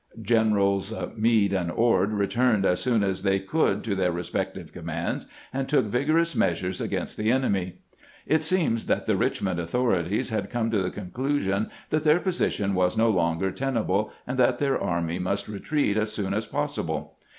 Generals Meade and Ord returned as soon as they could to their respective com^ mands, and took vigorous measures against the enemy, It seems that the Richmond authorities had come to the conclusion that their position was no longer tenable, and that their army must retreat as soon as possible.